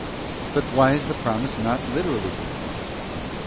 But why is the promise not literally performed?